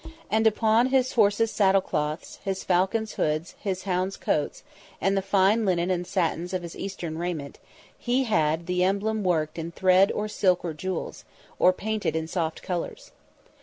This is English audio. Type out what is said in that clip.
And upon his horses' saddle cloths, his falcons' hoods, his hounds' coats, and the fine linen and satins of his Eastern raiment he had the emblem worked in thread or silk or jewels, or painted in soft colours.